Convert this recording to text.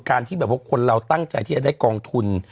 ที่แบบว่าคนเราตั้งใจที่จะได้กองทุน